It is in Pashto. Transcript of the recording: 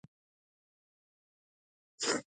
پسرلی د افغانستان د ناحیو ترمنځ تفاوتونه رامنځ ته کوي.